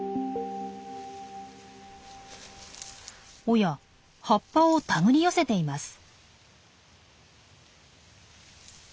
おや葉っぱを手繰り寄せています。